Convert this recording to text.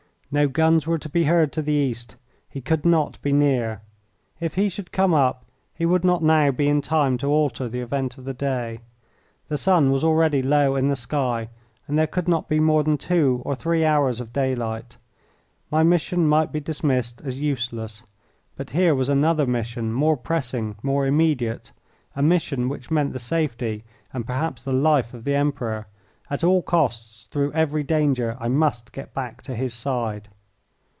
No guns were to be heard to the east. He could not be near. If he should come up he would not now be in time to alter the event of the day. The sun was already low in the sky and there could not be more than two or three hours of daylight. My mission might be dismissed as useless. But here was another mission, more pressing, more immediate, a mission which meant the safety, and perhaps the life, of the Emperor. At all costs, through every danger, I must get back to his side.